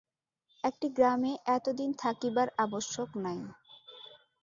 একটি গ্রামে এতদিন থাকিবার আবশ্যক নাই।